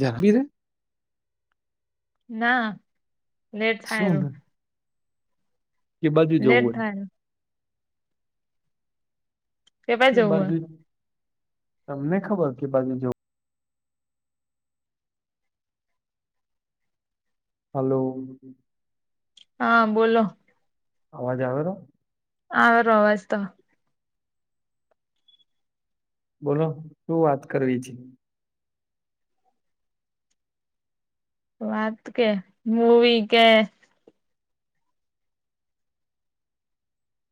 જગબી રે ના લેટ થાય શું રું ને કે બધું જવું લેટ હોય થાય કેપાઈ એ જવું હ બાજુ તમને ખબર કે બાજુ જો હલો. હા બોલો. અવાજ આવે તો હ રવાજ તો બોલો શું વાત કરવી છે વાત કે મૂવી કે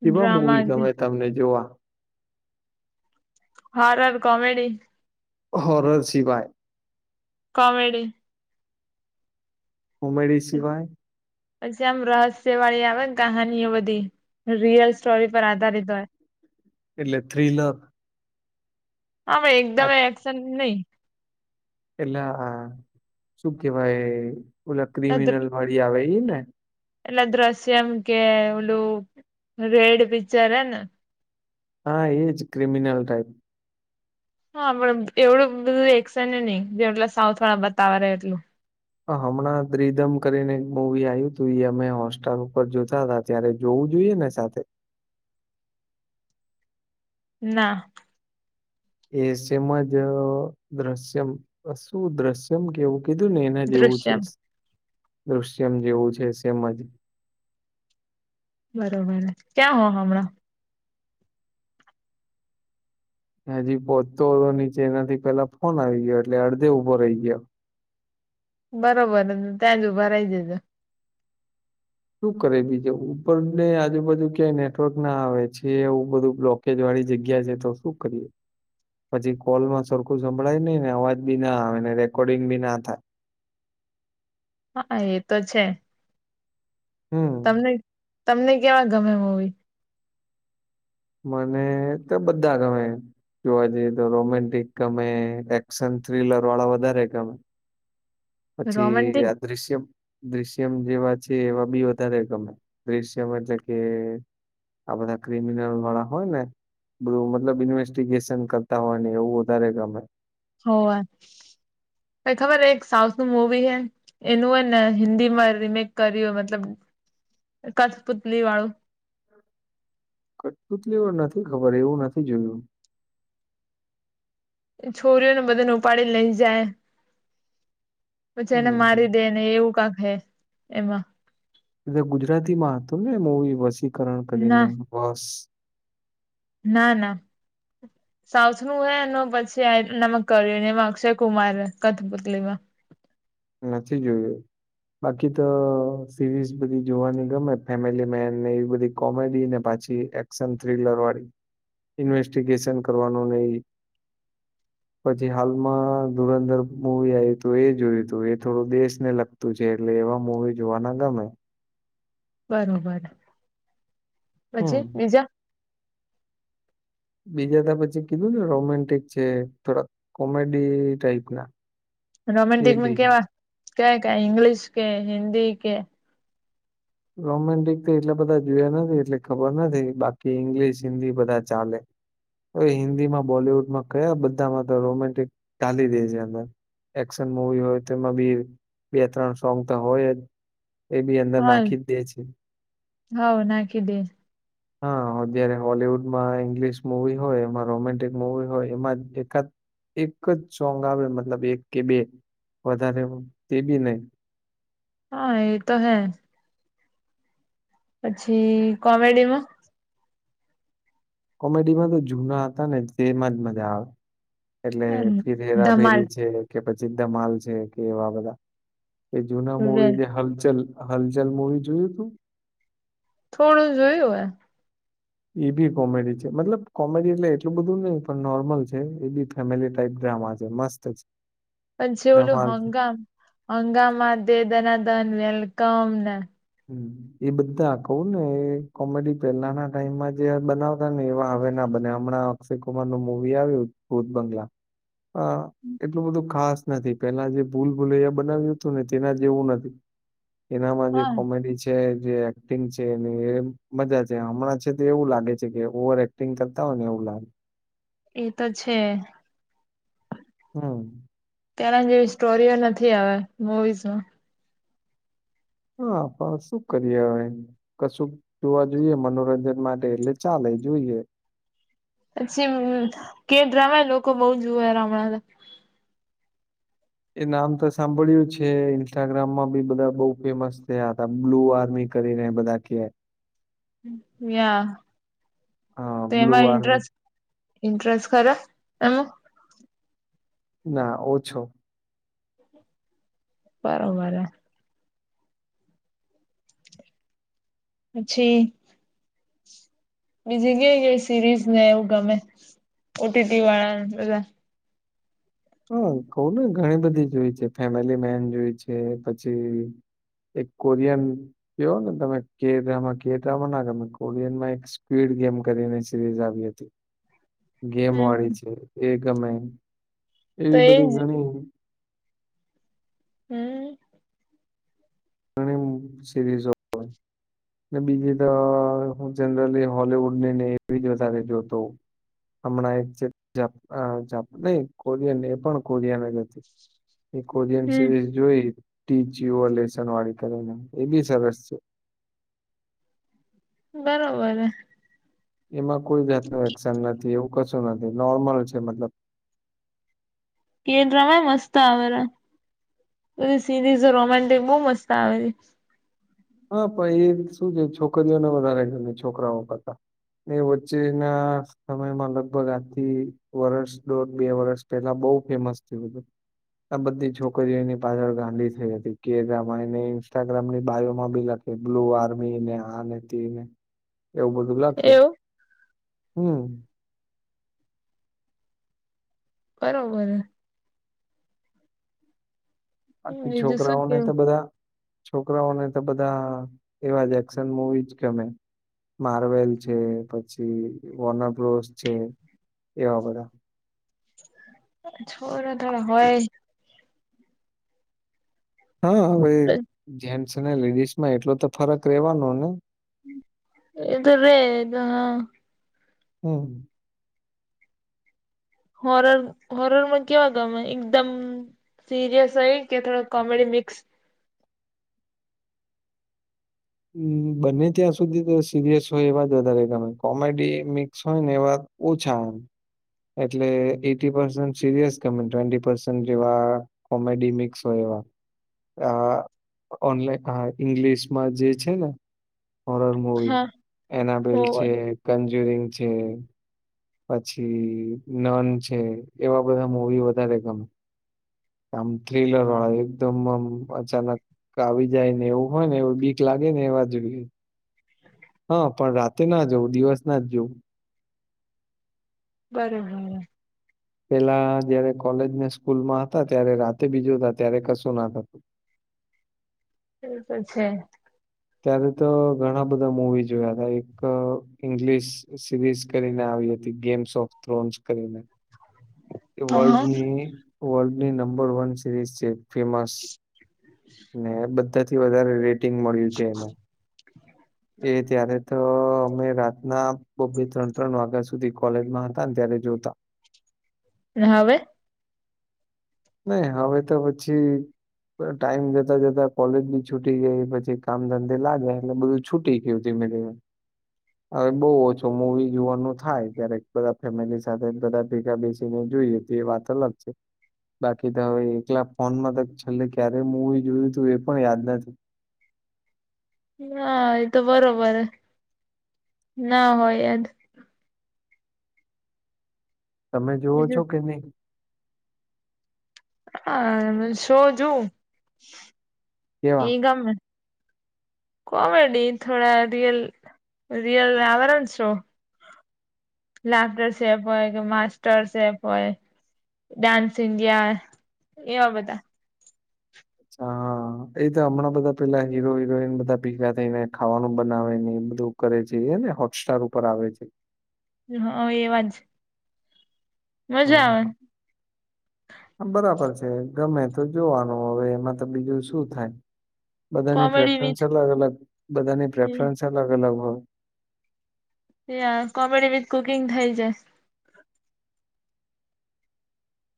એવા મવી ડ્રામા કે ગમે તમને જોવા હારર કોમેડી હોરર સિવાય કોમેડી ઉમેરી સિવાય પછી આમ રહસ્ય વાળી આવે ને કહાનીઓ બધી રિયલ સ્ટોરી પર આધારિત હોય એટલે થ્રીલર હા ભાઈ એકદમ આ એક્શન નહી એટલે શું કેવાય ઓલા ક્રિમિનલ વાળી આવે એ ને એટલે દ્રશ્યમ કે ઓલું રેડ પિક્ચર હ ને હા એ જ ક્રિમિનલ ટાઈપ હ આપ એવડું બધું એકેશે ને નહી જેટલા સાઉથ વાળા બતાવા એટલું હમણાં ત્રિધમ કરીને એક મવી આવ્યું હતું અમે હોટસ્ટાર ઉપર જોતા ત અ્યારે જોવું જોઈએ ને સાથે ના. એ સજ દ્રશ્યમ શું દ્રશ્યમ કેવું? કીધું ને એના જેવું છે દૃશ્યમ દૃશ્યમ જેવું છે સમ જ બરોબર ક્યાં હો હમણાં હજી પોહોચતો હતો નીચે એનાથી પેલા ફોન આવી ગયો એટલે અડધે ઉઊભો રહી ગયો બરોબર ત્યાંજ ઉભા રહી જેજો શું કરે બીજો ઉપર ને આજુબાજુ ક્યાંય નેટવર્ક ના આવે છે એવું બધું બ્લોક વાળી જગ્યા છે તો શું કરીએ પછી કોલ માં સરખું સંભળાય નઈ ને અવાજ બી ના આવે ને રેકોર્ડિંગ બી ના થાય હા એ તો છે. હમ. તમને તમને કેવા ગમે મૂવી? મને તો બધા ગમે. જોવા જઈએ તો રોમેન્ટિક ગમે એક્શન થ્રીલર વાળા વધારે ગમે. પછી રોમેન્ટિક આ દ્રશ્યમ દ્રશ્યમ જેવા છે એવા બી વધારે ગમે. શમ એટલે કે આ બધા ક્રિમિનલ વાળા હોય ને. બધું મતલબ ઇન્વેસ્ટીગેશન કરતા હોય ને એવું વધારે ગમે. હો, ખબર એક સાઉથ નું મવી હે. એનું હોય ને હિન્દીમાં રીમેક કર્યું મતલબ કથપુતલી વાળું. કટુંત લેવ નથી ખબર એવું નથી જોયું. છોરીઓને બધાને ઉપાડી લઈ જાય, પછી એને હમ મારી દે. અને એવું કાક હે એમાં. એલે ગુજરાતીમાં હતું ને મોવી વસીકરણ કરીને ના બસ. ના ના. સાઉથનું હે અને પછી એમાં કર્યું એમાં અક્ષય કુમાર કથપુતલીમાં. નથી જોયું. બાકી તો સિરીઝ બધી જોવાની ગમે ફેમિલી મેન ને એવી બધી કોમેડી ને પાછી એક્શન થ્રીિલર વાળી, ઇન્વેસ્ટિગેશન કરવાનું ન. પછી હાલમાં ધુરંધર મુવી આવ હતું એ જોયું. એ થોડું દેશ ને લગતું છે એટલે એવા મવી જોવાના ગમે. બરોબર, હમ પછી બીજા. બીજા ત પછી કીધું ને રોમેન્ટિક છે થોડા કોમેડી ટાઈપના. રોમેન્ટિકમાં કેવા ક ક ઇંગ્લિશ કે હિન્દી કે રોમેન્ટિક એટલે બધા જોયા નથી એટલે ખબર નથી બાકી ઈંગ્લિશ હિન્દી બધા ચાલે. હ હિન્દીમાં બોલવુડમાં કયા બધામાં તો રોમેન્ટિક ચાલી દે છે અંદર. એક્શન મુવી હોય તોમાં બી બે ત્રણ સોંગ તો હોય જ. એ બી અંદર હા નાખી જ દે છે. હાવ નાખી દે હા જય્યારે હોલવુડમાં ઈંગ્લિશ મુવી હોય એમાં રોમેન્ટિક મુવી હોય એમાં એકાદ એક જ સોંગ આવે મતલબ એક કે બે વધારે તે બી નહી. હા એતો હે. પછી કોમેડીમાં? કોમેડીમાં તો જૂના હતા ને તેમાં જ મજા આવે. એટલે ધમાલ ફીરહેરાફેરી છે. કે પછી ધમાલ છે કે એવા બધા, એ જૂના વે મૂવી જે હલચલ હલચલ મુવી જોયું હતું? થોડું જોયું હ. એ બી કોમેડી છે મતલબ કોમેડી એટલે એટલું બધું નહી પણ નોર્મલ છે એ બી. ફેમિલી ટાઈપ ડ્રામા છે મસ્ત છે. પણ છેવલું ધમાલ હંગામ હંગામાં દે દનાદન વેલકમ ને. હમ. એ બધા કહું ને એ કોમેડી પેલાના ટાઈમમાં જે બનાવતા ને એવા હ ના બને હમણાં અક્ષય કુમારનું મુવી આવ્યું ભૂત બંગલા અ એટલું બધું ખાસ નથી પેલા જે ભૂલ ભૂલૈયા બનાવ્યું હતું ને તેના જે એવું નથી. એનામાં જે હા મજા છે હમણાં છે તો એવું લાગે છે કે ઓવ [unintelligible] એકટિંગ કરતા હોય એવું લાગે. એ ત છે. હમ. ત્યારે જેવી સ્ટોરીઓ નથી આવે મુવીઝમાં. હા પણ શું કરીએ અવે. કશુંક જોવા જોઈએ મનોરંજન માટે એટલે ચાલે જોઈએ. [unintelligible] પછી કે ઘણા લોકો બહુ જોયે લમણા [unintelligible] એ નામ તો સાંભળ્યું છે ઇન્સ્ટાગ્રામમાં બી બધા બઉુ ફેમસ છે હતા બ્લુ આર્મી કરીને બધા કેહ. યા. હા બ્લુ તેમાં આર્મી ઇન્ટરેસ્ટ ઇન્ટ્રસ ખરો એમ. ના ઓછો. બરોબર. પછી બીજું કઈ કઈ સિરીઝને એવું ગમે ઓટીટીવાળા બધા. હઉ કઉને ઘણી બધી જોઈ છે ફેમિલી મેન જોઈ છે પછી એક કોરિયન કયોને તમે કેદ્રામાં, કેદ્રામાં ના ગમે કોરિયનમાં એક સ્પીડ ગેમ કરીને સિરીઝ આવી હતી. [unintelligible] હમ ગેમવાળી છે એ ગમે. તો એવી એજ બધી ઘણી હમ. હુ સિરીઝો ને બીજી તો હું જનરલી હોલવુડ નેને એવી જ વધારે જોતો હોઉં. હમણાં એક જે જા અ જા જાપ નહી કોરિયન એ પણ કોરિયાને જ હતી. એક કોરિયન હમ સિરીઝ જોઈ, ટીજીયો લેસનવાળી કરીને એ બી સરસ છે. બરોબર એ. એમાં કોઈ જાતનું એક્શન નથી એવું કશું નથી નોર્મલ છે મતલબ. કેદ્રમાં મસ્ત આવે છે. બધી સીરીઝો રોમેન્ટિક બઉ મસ્ત આવે છે. હા પણ એ શું છે છોકરીઓને વધારે ગમે છોકરાઓ કરતા. એ વચ્ચેના સમયમાં લગભગ આજથી વર્ષ દોઢ બે વર્ષ પહેલા બઉ ફેમસ થયું બધું. આ બધી છોકરીઓ એની પાછળ ગાંડી થઈ હતી કે રામાની ને ઇન્સ્ટાગ્રામની બાયો માં બી લખે, બ્લુ આર્મી ને આ ને, તે ને એવું બધું લખે. એવું હમ. બરોબર. બાકી બીજું શું છોકરાઓને કેવું તો બધા છોકરાઓને તો બધા એવા જ એક્શન મુવી જ ગમે. માર્વેલ છે, પછી વોનપ્રોસ છે એવા બધા. થોડાં ઘણા હોય હા હવે, જેન્ટ્સ અને લેડીસમાં એટલો તો ફરક રહેવાનો ને. એ તો રે ગણો હમ. હોરર હોરરમાં કેવા ગમે એકદમ સિરીઅસ હોય એ કે થોડો કોમેડી મિક્સ. અમ બને ત્યાં સુધી તો સિરિયસ હોય એવા જ વધારે ગમે. કોમેડી મિક્સ હોય ને એવા ઓછા. એટલે એઈટી પર્સન સિરયસ ગમે ટ્વેન્ટી પર્સન જેવા કોમેડી મિક્સ હોય એવા. આ ઓનલા હા ઇંગ્લિશમાં જે છે ને હોરર મુવી હા એનાબલ હોવે છે, કંજુરિંગ છે પછી નન છે, એવા બધા મવી વધારે ગમે. આમ થ્રીલર હોય. એકદમ આમ અચાનક આવી જાય ને એવું હોયને એવું બીક લાગે ને એવા જોઈએ. હા પણ રાતે ના જોવ દિવસના જ જોઉં. બરોબર. પેલાં જયારે કોલેજ ને સ્કૂલમાં હતા ત્યારે રાતે બી જોતા ત્યારે કશું ના થતું. એ તો છે. ત્યારે તો ઘણા બધા મુવી જોયા હતા એક ઇંગ્લિશ સિરીઝ કરીને આવી હતી ગેમ્સ ઓફ થ્રોન્સ કરીને. હ વલ્ડની વર્લ્ડની નંબર વન સિરીઝ છે. ફેમસ ને બધાથી વધારે રેટિંગ મળી. એ ત્યારે તો અમે રાતના બે બે ત્રણ ત્રણ વાગ્યા સુધી કોલેજમાં હતા ને ત્યારે જોતા. હવે. નહી હવે તો પછી ટાઈમ જતા જતા કોલેજ બી છૂટી ગઈ પછી કામ ધંધે લાગે એટલે બધું છૂટી ગયું ધીમે ધીમે. [inaudible] [inaudible] હવે બહુ ઓછો મૂવી જોવાનું થાય ત્યારે બધા ફેમિલી સાથે બધા ભેગા બેસીને જોઈએ. તે વાત અલગ છે. બાકી તો હવે એકલા ફોનમાં તો છેલ્લે ક્યારેય મુવી જોયું તું એ પણ યાદ નથી. ના એ તો બરોબર હે ના હોય યાદ. તમે જુઓ છો બીજું કે નહી? હ શો જોઉ કેવા એ ગમે. કોમેડી થોડા રિયલ રિયલ આવેરા ને સો લાફ્ટર શેફ હોય કે માસ્ટર્ શેફ હોય. ડાન્સ ઇન્ડિયા એવા બધા. હા એ તો હમણાં બધા પેલા હીરો હિરોઈન બધા ભેગા થઈને ખાવાનું બનાવે ને એ બધું કરે છે, એ ને હોટસ્ટાર ઉપર આવે છે. હા એ વા જ. હ મજા હા. [inaudible] બરાબર છે, ગમે તો જોવાનું હવે એમાં તો બીજું શું થાય. બધાની કોમેડી પ્રેફરન્સ વિથ અલગ અલગ બધાની પ્રેફરન્સ અલગ અલગ હોય. યા કોમેડી વિથ કુકિંગ થઈ જાય.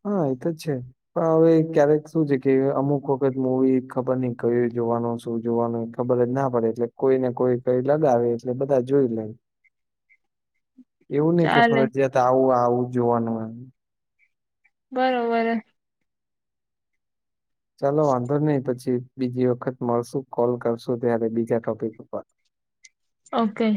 હા એ તો છે. પણ હવે ક્યારેક શું છે, કે અમુક વખત મુવી ખબર નઈ કયુ જોવાનું શું જોવાનું. ખબર જ ના પડે એટલે કોઈને કોઈ કઈ લગાવે એટલે બધા જોઈ લે. [inaudible] એવું નઈ કે ચાલે ફરજયાત આવું આવું જોવાનું. બરોબર. ચાલો વાંધો નહી પછી બીજી વખત મળશું કોલ કરશું ત્યારે બીજા ટોપિક ઉપર. ઓકે.